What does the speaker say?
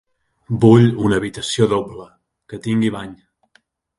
Vull una habitació doble, que tingui bany.